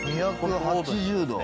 ２８０度。